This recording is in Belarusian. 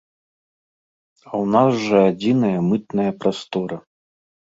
А ў нас жа адзіная мытная прастора.